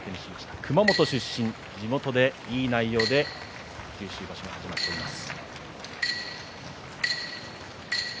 熊本県出身、地元でいい内容で九州場所、始まっています。